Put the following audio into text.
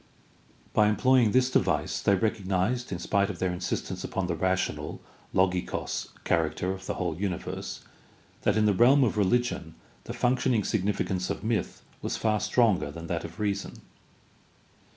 By employing this device they recognized, in spite of their insist ence upon the rational (XoyLKos) character of the whole uni verse, that in the realm of religion the functioning significance of myth was far stronger than that of reason.